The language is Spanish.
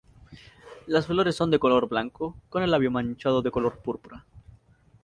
Las flores son de color blanco, con el labio manchado de color púrpura.